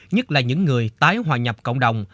nhất là những người tái hòa nhập cộng đồng